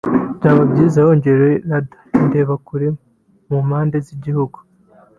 byaba byiza hongerewe radar (indebakure) mu mpande z’igihugu